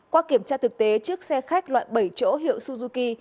qua kiểm tra thực tế chiếc xe khách loại bảy chỗ hiệu suzuki